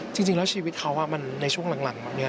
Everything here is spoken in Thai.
จริงแล้วชีวิตเขามันในช่วงหลังแบบนี้